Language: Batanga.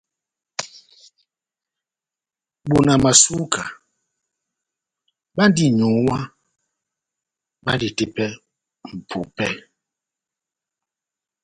Bona Masuka bandi n’nyuwá, bandi tepɛ mʼpupɛ.